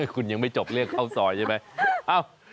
คุณยังไม่จบเรียกข้าวซอยใช่ไหม